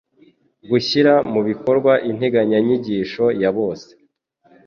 gushyira mu bikorwa integanyanyigisho yabose